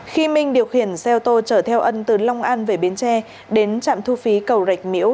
khi minh điều khiển xe ô tô chở theo ân từ long an về biến tre đến trạm thu phí cầu rạch miễu